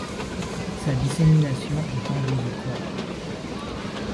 Sa dissémination est endozoochore.